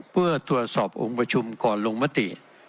เพื่อตรวจสอบองค์ประชุมก่อนลงมติ